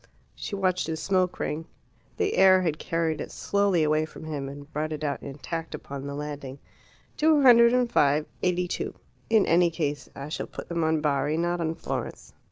She watched his smoke ring. The air had carried it slowly away from him, and brought it out intact upon the landing. "Two hundred and five eighty two. In any case I shall put them on Bari, not on Florence.